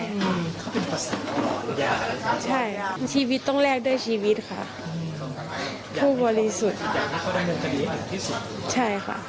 ใช่ชีวิตต้องแลกด้วยชีวิตค่ะผู้บริสุทธิ์